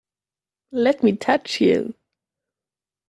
Let me touch you!